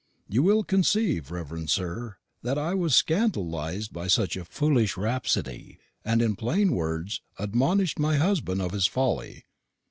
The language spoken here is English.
"You will conceive, Reverend Sir, that I was scandalised by such a foolish rapsodie, and in plain words admonish'd my husband of his folly.